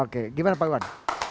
oke gimana pak iwan